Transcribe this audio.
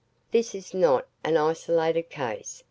This is not an isolated case.